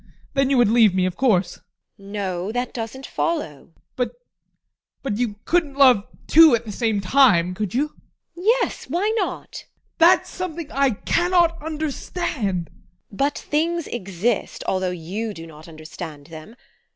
Then you would leave me, of course? TEKLA. No, that doesn't follow. ADOLPH. But you couldn't love two at the same time, could you? TEKLA. Yes! Why not? ADOLPH. That's something I cannot understand. TEKLA. But things exist although you do not understand them.